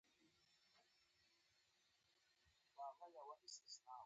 د ښار وضعیت ډېر عالي و.